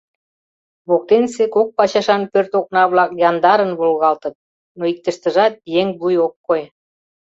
Воктенсе кок пачашан пӧрт окна-влак яндарын волгалтыт, но иктыштыжат еҥ вуй ок кой.